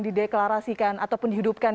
dideklarasikan ataupun dihidupkan